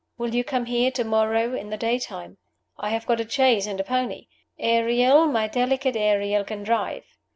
Will you come here to morrow in the daytime? I have got a chaise and a pony. Ariel, my delicate Ariel, can drive.